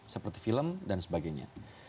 seperti film dan sebagainya